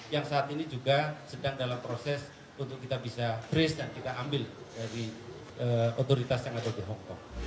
yang saat ini juga sedang dalam proses untuk kita bisa breeze dan kita ambil dari otoritas yang ada di hongkong